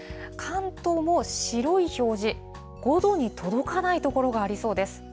関東も白い表示、５度に届かない所がありそうです。